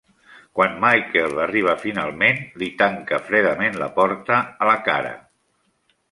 Quan Michael arriba finalment, li tanca fredament la porta a la cara.